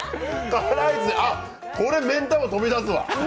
辛いっす、これ、めん球飛び出すわ。